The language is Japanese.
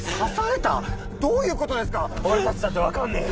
どういうことですか⁉俺たちだって分かんねぇよ！